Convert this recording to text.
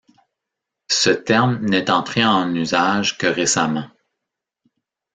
Ce terme n'est entré en usage que récemment.